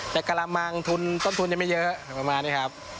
แต่กระมังทุนต้นทุนยังไม่เยอะประมาณนี้ครับ